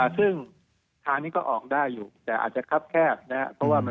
ซึ่งทางนี้ก็ออกได้อยู่แต่อาจจะคับแคบนะครับ